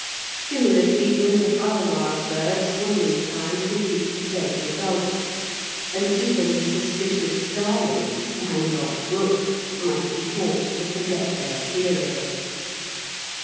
Similar treatment of other wild birds would in time produce the same result, and even the suspicious starling and stand off rook might be taught to forget their fear of us.